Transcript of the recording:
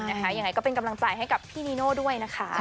ยังไงก็เป็นกำลังใจให้กับพี่นีโน่ด้วยนะคะ